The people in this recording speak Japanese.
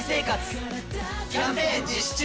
キャンペーン実施中！